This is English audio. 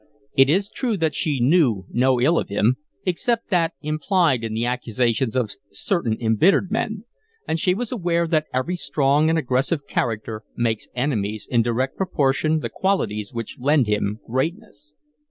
It is true that she knew no ill of him, except that implied in the accusations of certain embittered men; and she was aware that every strong and aggressive character makes enemies in direct proportionate the qualities which lend him greatness.